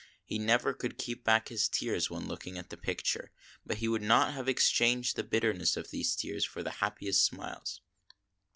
He never could keep back his tears when looking at the picture ; but he would not have exchanged the bitterness of these tears for the happiest smiles.